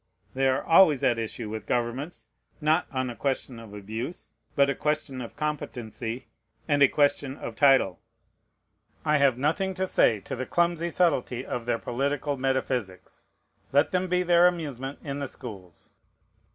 They are always at issue with governments, not on a question of abuse, but a question of competency and a question of title. I have nothing to say to the clumsy subtilty of their political metaphysics. Let them be their amusement in the schools.